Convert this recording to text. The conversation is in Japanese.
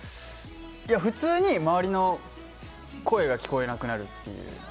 普通に周りの声が聞こえなくなるっていう。